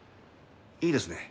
いいですね？